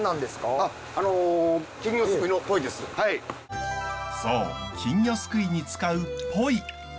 あっあのそう金魚すくいに使うポイ。